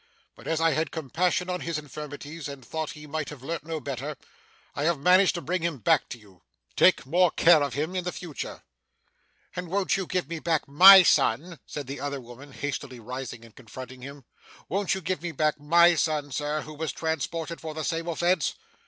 But, as I had compassion on his infirmities, and thought he might have learnt no better, I have managed to bring him back to you. Take more care of him for the future.' 'And won't you give me back MY son!' said the other woman, hastily rising and confronting him. 'Won't you give me back MY son, Sir, who was transported for the same offence!